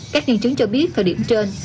các nghiên chứng cho biết thời điểm trên